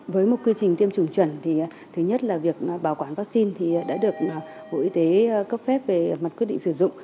với một quy trình tiêm chủng chuẩn thứ nhất là việc bảo quản vaccine đã được bộ y tế cấp phép về mặt quyết định sử dụng